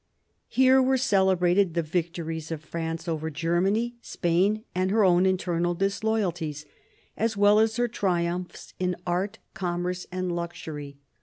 Here were celebrated the victories of France over Germany, Spain, and her own internal disloyalties, as well as her triumphs in art, commerce, and luxury.